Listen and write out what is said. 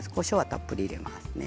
たっぷり入れますよ。